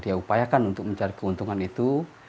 dia upayakan untuk mencari keuntungan itu